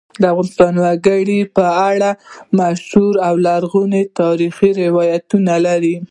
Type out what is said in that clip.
افغانستان د وګړي په اړه مشهور او لرغوني تاریخی روایتونه لري.